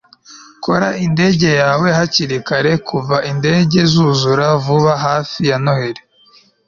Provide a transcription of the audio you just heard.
kora indege yawe hakiri kare kuva indege zuzura vuba hafi ya noheri